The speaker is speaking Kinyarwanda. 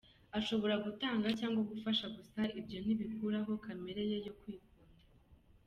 Ashobora gutanga cyangwa gufasha gusa ibyo ntibikuraho kamere ye yo kwikunda.